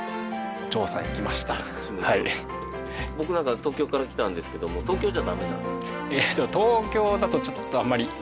僕なんか東京から来たんですけども東京ではダメなんですか？